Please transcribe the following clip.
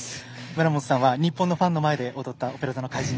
村元さんは日本のファンの前で踊った「オペラ座の怪人」